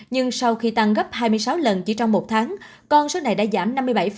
nhưng sau khi tăng gấp hai mươi sáu lần chỉ trong một tháng con số này đã giảm năm mươi bảy